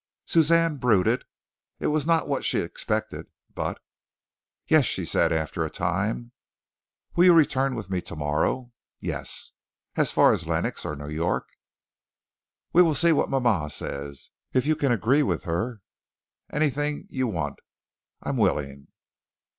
Suzanne brooded. It was not what she expected but "Yes," she said, after a time. "Will you return with me tomorrow?" "Yes." "As far as Lenox or New York?" "We'll see what mama says. If you can agree with her anything you want I am willing."